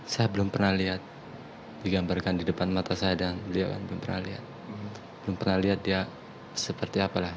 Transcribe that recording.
saya belum pernah lihat digambarkan di depan mata saya dan beliau kan belum pernah lihat belum pernah lihat dia seperti apalah